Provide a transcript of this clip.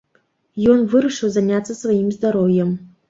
Ён вырашыў заняцца сваім здароўем.